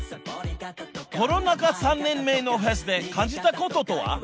［コロナ禍３年目のフェスで感じたこととは］